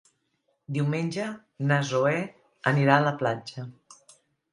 Diumenge na Zoè anirà a la platja.